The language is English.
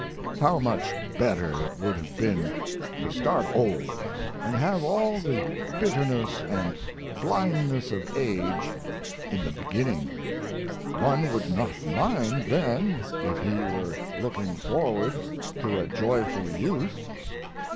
How much better it would have been to start old and have all the bitterness and blindness of age in the beginning! One would not mind then if he were looking forward to a joyful youth.